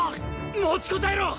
持ちこたえろ！